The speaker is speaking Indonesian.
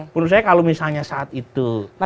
menurut saya kalau misalnya saat itu